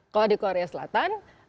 kalau di korea selatan